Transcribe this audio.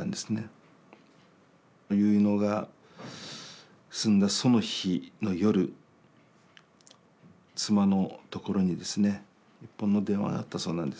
結納が済んだその日の夜妻のところにですね一本の電話があったそうなんです。